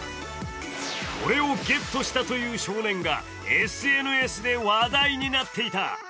これをゲットしたという少年がＳＮＳで話題になっていた。